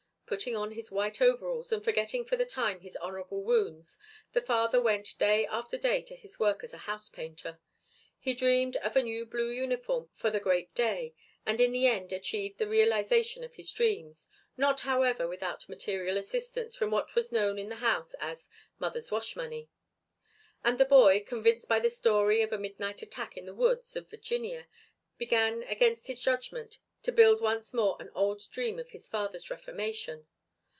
Putting on his white overalls and forgetting for the time his honourable wounds the father went day after day to his work as a housepainter. He dreamed of a new blue uniform for the great day and in the end achieved the realisation of his dreams, not however without material assistance from what was known in the house as "Mother's Wash Money." And the boy, convinced by the story of the midnight attack in the woods of Virginia, began against his judgment to build once more an old dream of his father's reformation.